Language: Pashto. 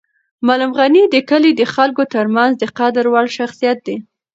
معلم غني د کلي د خلکو تر منځ د قدر وړ شخصیت دی.